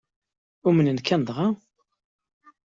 Umnen-kem dɣa?